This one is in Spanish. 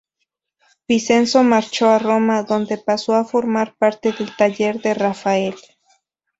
Vincenzo marchó a Roma, donde pasó a formar parte del taller de Rafael.